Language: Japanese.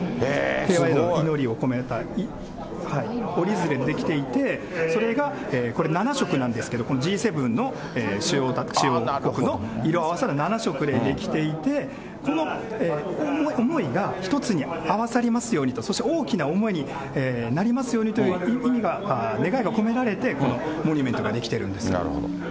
平和への祈りを込めた折り鶴で出来ていて、それがこれ、７色なんですけど、Ｇ７の主要国の色合わせで７色で出来ていて、この思いが一つに合わさりますようにと、大きな思いになりますようにという意味が、願いが込められて、このモニュメントが出来てるんです。